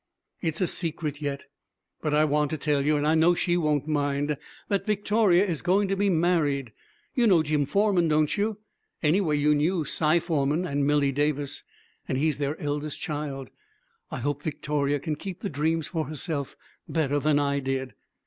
It's a secret yet, but I want to tell you, and I know she won't mind, that Victoria is going to be married. You know Jim Forman, don't you? Anyway, you knew Cy Forman and Milly Davis, and he's their eldest child. I hope Victoria can keep the dreams for herself better than I did.